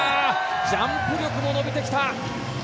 ジャンプ力も伸びてきた。